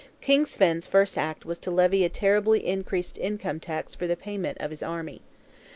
King Svein's first act was to levy a terribly increased Income Tax for the payment of his army.